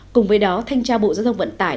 cùng với đó thanh tra bộ giao thông vận tải